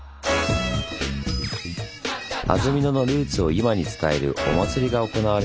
安曇野のルーツを今に伝えるお祭りが行われていました。